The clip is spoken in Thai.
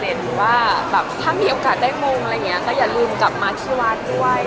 หรือว่าถ้ามีโอกาสได้งงก็อย่าลืมกลับมาที่วัดด้วย